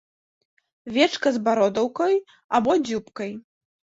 Вечка з бародаўкай або дзюбкай.